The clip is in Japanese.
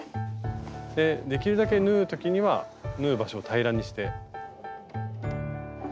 できるだけ縫う時には縫う場所を平らにして。